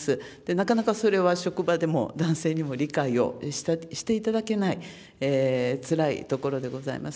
なかなかそれは職場でも、男性にも理解をしていただけないつらいところでございます。